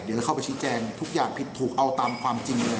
จะเข้าไปชี้แจงทุกอย่างผิดถูกเอาตามความจริงเลย